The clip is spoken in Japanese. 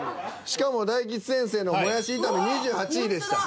しかも大吉先生のもやし炒め２８位でした。